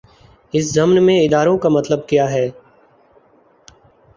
اس ضمن میں اداروں کا مطلب کیا ہے؟